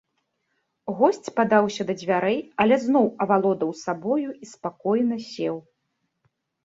Госць падаўся да дзвярэй, але зноў авалодаў сабою і спакойна сеў.